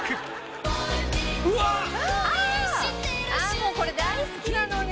もうこれ大好きなのに。